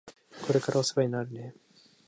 これからお世話になるね。